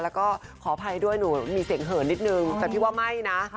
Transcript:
แล้วก็ขออภัยด้วยหนูมีเสียงเหินนิดนึงแต่พี่ว่าไม่นะ